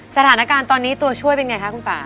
สถานการณ์ตอนนี้ตัวช่วยเป็นไงคะคุณป่า